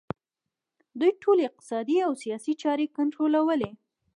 دوی ټولې اقتصادي او سیاسي چارې کنټرولوي